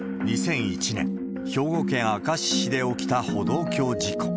２００１年、兵庫県明石市で起きた歩道橋事故。